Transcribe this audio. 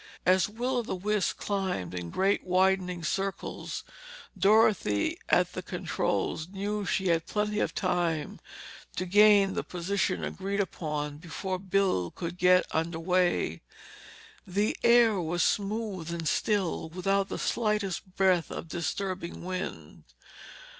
As Will o' the Wisp climbed in great widening circles, Dorothy at the controls knew she had plenty of time to gain the position agreed upon before Bill could get under way. The air was smooth and still, without the slightest breath of disturbing wind.